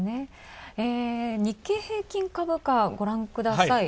日経平均株価、ご覧ください。